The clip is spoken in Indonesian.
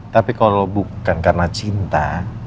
tapi kalau bukan karena cinta